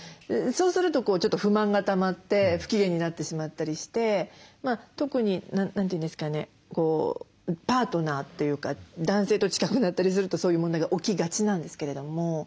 そうするとちょっと不満がたまって不機嫌になってしまったりして特に何て言うんですかねパートナーというか男性と近くなったりするとそういう問題が起きがちなんですけれども。